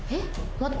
待って。